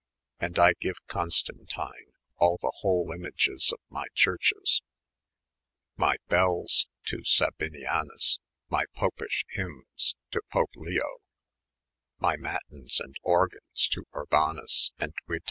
And I gene Constantine al the whole ymages of my Churches : My belles, to SabiniaouB : my popysh Hyrnpnes, to Pope Leo : my Matens and Organs, to Urbanns & 0ita.